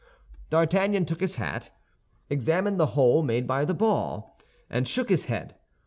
D'Artagnan took his hat, examined the hole made by the ball, and shook his head.